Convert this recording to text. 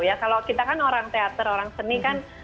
ya kalau kita kan orang teater orang seni kan